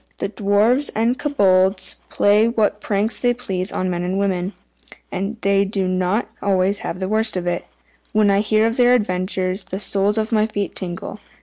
The Dwarfs and Kobolds play what pranks they please on men and women, and they do not always have the worst of it. When I hear of their adventures, the soles of my feet tingle.